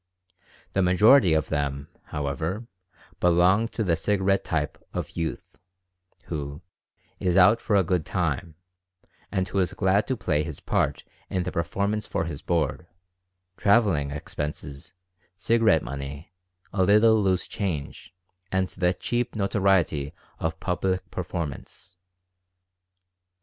The majority of them, however, belong to the "cigarette type" of youth, who "is out for a good time" and who is glad to play his part in the performance for his board, traveling expenses, cigarette money, a little loose change, and the cheap notoriety of public performance.